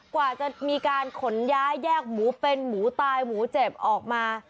กว่าจะมีการขนย้ายแยกหมูเป็นหมูตายหมูเจ็บออกมา